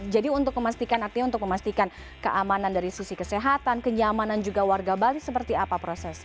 jadi untuk memastikan artinya untuk memastikan keamanan dari sisi kesehatan kenyamanan juga warga bali seperti apa prosesnya